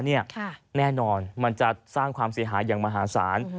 แน่นอนมันจะสร้างความเสียหายอย่างมหาศาล